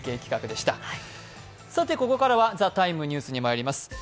ここからは「ＴＨＥＴＩＭＥ，」ニュースに入ります。